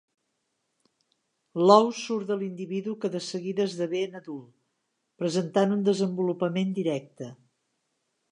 L'ou surt de l'individu que de seguida esdevé en adult, presentant un desenvolupament directe.